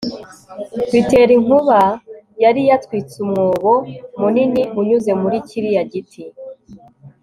bitera inkuba yari yatwitse umwobo munini unyuze muri kiriya giti